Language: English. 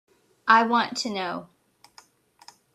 I want to know.